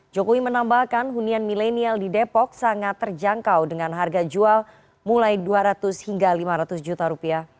jokowi menambahkan hunian milenial di depok sangat terjangkau dengan harga jual mulai dua ratus hingga lima ratus juta rupiah